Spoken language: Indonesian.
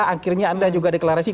akhirnya anda juga deklarasi